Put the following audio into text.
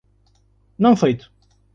Não feito